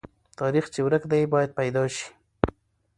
تاریخ چې ورک دی، باید پیدا سي.